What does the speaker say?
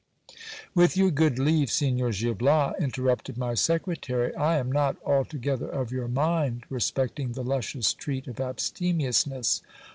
With your good leave, Signor Gil Bias, interrupted my secretary, I am not altogether of your mind respecting the luscious treat of abstemiousness.